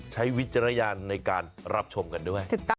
วิจารณญาณในการรับชมกันด้วย